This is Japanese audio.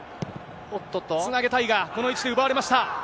つなげたいが、この位置で奪われました。